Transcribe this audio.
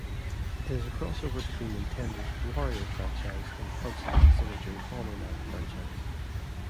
It is a crossover between Nintendo's Wario franchise and Hudson's signature Bomberman franchise.